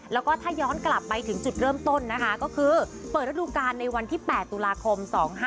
แล้วก็ถ้าย้อนกลับไปถึงจุดเริ่มต้นนะคะก็คือเปิดระดูการในวันที่๘ตุลาคม๒๕๕๙